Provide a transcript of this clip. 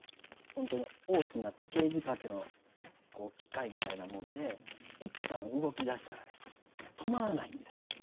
ほんとに大きな時計仕掛けの機械みたいなもんで一旦動きだしたらね止まらないんですから。